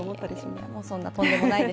もうそんな、とんでもないです。